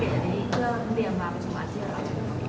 เพิ่มเรียนมาประมาณเมื่อปี